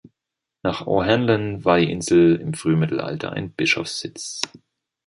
Nach O'Hanlon war die Insel im Frühmittelalter ein Bischofssitz.